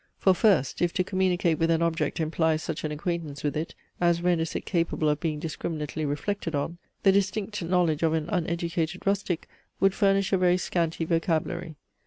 For first, if to communicate with an object implies such an acquaintance with it, as renders it capable of being discriminately reflected on, the distinct knowledge of an uneducated rustic would furnish a very scanty vocabulary.